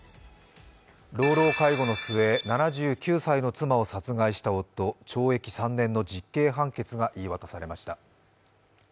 老老介護の末、７９歳の妻を殺害した夫、懲役３年の実刑判決が言い渡されました。